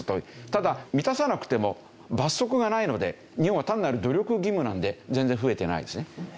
ただ満たさなくても罰則がないので日本は単なる努力義務なので全然増えてないですね。